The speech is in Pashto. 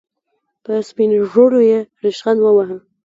په سپين ږيرو يې ريشخند وواهه.